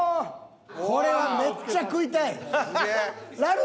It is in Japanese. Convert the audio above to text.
これはめっちゃ食いたい。